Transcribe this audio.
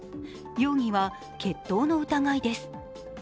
容疑は決闘の疑いです。